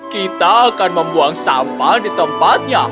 kita akan membuang sampah di tempatnya